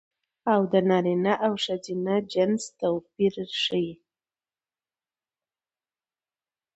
او د نرينه او ښځينه جنس توپير ښيي